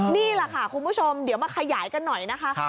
นี่แหละค่ะคุณผู้ชมเดี๋ยวมาขยายกันหน่อยนะคะ